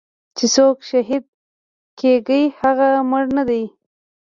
چې سوک شهيد کيګي هغه مړ نه دې.